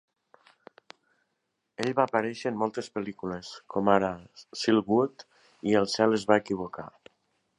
Ell va aparèixer en moltes pel·lícules, com ara "Silkwood" i "El Cel es va equivocar".